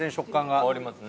変わりますね。